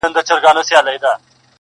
راته مه راکوه زېری د ګلونو د ګېډیو!